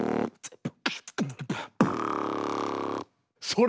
それ！